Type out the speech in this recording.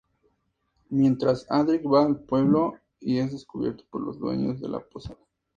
Mientras, Adric va al pueblo y es descubierto por los dueños de la posada.